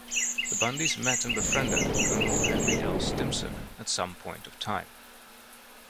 The Bundys met and befriended Colonel Henry L. Stimson at some point of time.